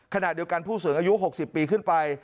ขณะเดียวกันผู้สูงอายุ๖๐ปีขึ้นไป